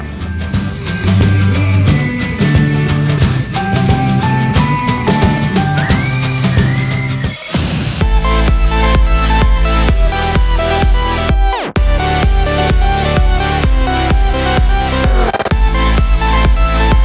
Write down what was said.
เพลง